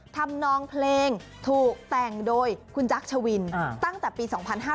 ทำนองเพลงถูกแต่งโดยคุณจักรชวินตั้งแต่ปี๒๕๕๙